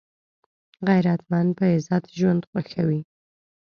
غیرتمند په عزت ژوند خوښوي